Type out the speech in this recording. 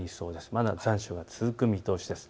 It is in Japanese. まだ残暑が続く見通しです。